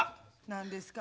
何ですか。